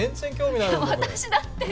私だって。